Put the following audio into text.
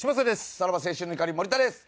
さらば青春の光森田です。